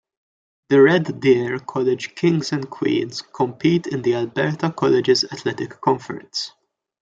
The Red Deer College Kings and Queens compete in the Alberta Colleges Athletic Conference.